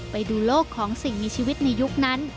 ไปดูโลกของสิ่งมีชีวิตในยุคนั้น